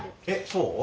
そう？